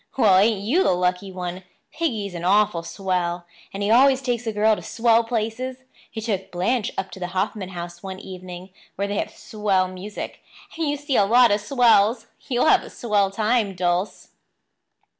"Well, ain't you the lucky one? Piggy's an awful swell; and he always takes a girl to swell places. He took Blanche up to the Hoffman House one evening, where they have swell music, and you see a lot of swells. You'll have a swell time, Dulce."